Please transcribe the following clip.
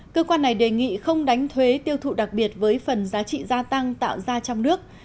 cơ quan này đề nghị không đánh thuế tiêu thụ đặc biệt với phần giá trị gia tăng tạo ra trong nước